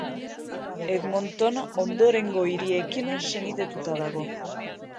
Edmonton ondorengo hiriekin senidetuta dago.